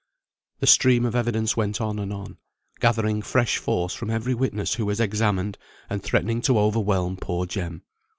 The stream of evidence went on and on, gathering fresh force from every witness who was examined, and threatening to overwhelm poor Jem.